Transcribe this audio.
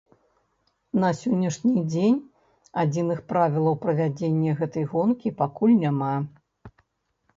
На сённяшні дзень адзіных правілаў правядзення гэтай гонкі пакуль няма.